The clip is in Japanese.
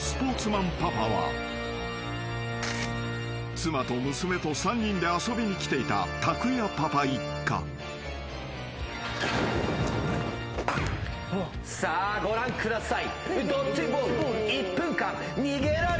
［妻と娘と３人で遊びに来ていたたくやパパ一家］さあご覧ください。